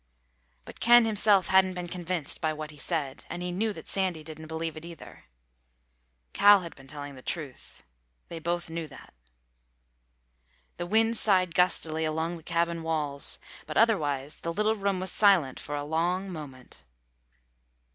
But Ken himself hadn't been convinced by what he said. And he knew that Sandy didn't believe it either. Cal had been telling the truth. They both knew that. The wind sighed gustily along the cabin walls, but otherwise the little room was silent for a long moment.